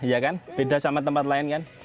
iya kan beda sama tempat lain kan